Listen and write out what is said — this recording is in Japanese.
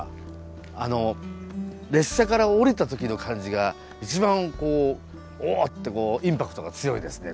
あの列車から降りた時の感じが一番おっ！ってインパクトが強いですね